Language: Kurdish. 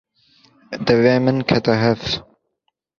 Devê min kete hev.